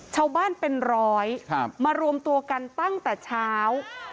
ชาวบ้านเป็นร้อยมารวมตัวกันตั้งแต่เช้า